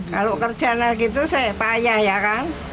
kalau kerjanya gitu saya payah ya kan